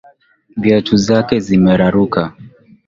Viatu zake zimeraruka.